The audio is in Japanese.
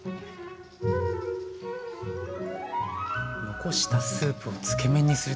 残したスープをつけ麺にするって。